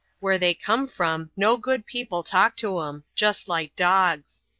Where they come from no good people talk to 'em — just like dogs.